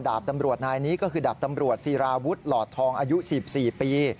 ดาบตำรวจนายนี้ก็คือดาบตำรวจศิราวุฒิหลอดทองอายุ๑๔ปี